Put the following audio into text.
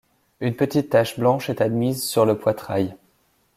Une petite tache blanche est admise sur le poitrail.